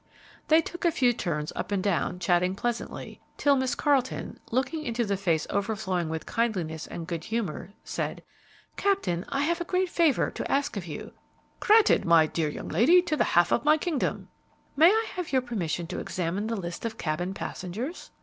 They took a few turns up and down, chatting pleasantly, till Miss Carleton, looking into the face overflowing with kindliness and good humor, said, "Captain, I have a great favor to ask of you." "Granted, my dear young lady, to the half of my kingdom!" "May I have your permission to examine the list of cabin passengers?"